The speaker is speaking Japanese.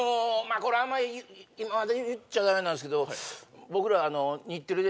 これあんまりまだ言っちゃダメなんですけど嘘つけ！